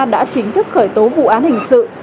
đã chính thức khởi tố vụ án hình sự